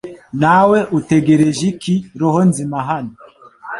Nawe utegereje iki roho nzima hano